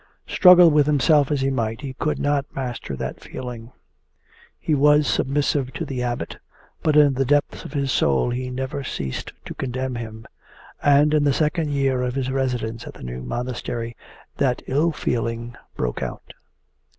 Struggle with himself as he might, he could not master that feeling. He was submissive to the Abbot, but in the depths of his soul he never ceased to condemn him. And in the second year of his residence at the new monastery that ill feeling broke out.